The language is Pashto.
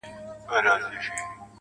ښه نیت د سکون لاره ده.